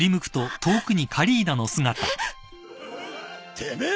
てめえ！？